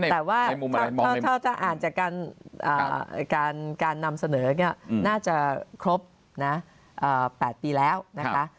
แต่ว่าถ้าอ่านจากการนำเสนอน่าจะครบนะ๘ปีแล้วนะคะ